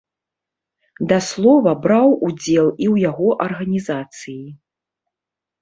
Да слова, браў удзел і ў яго арганізацыі.